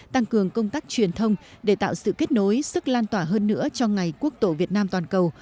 tăng cường công tác truyền thông để tạo sự kết nối sức lan tỏa hơn nữa cho ngày quốc tổ việt nam toàn cầu